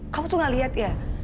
kamu tuh gak lihat ya